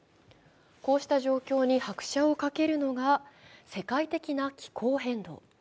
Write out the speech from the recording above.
こうした状況に拍車をかけるのが世界的な気候変動。